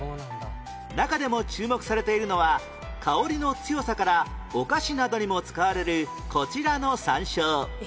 中でも注目されているのは香りの強さからお菓子などにも使われるこちらの山椒